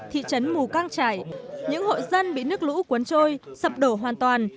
thị trấn mù căng trải những hội dân bị nước lũ cuốn trôi sập đổ hoàn toàn